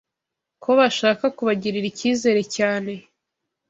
ko bashaka kubagirira icyizere cyane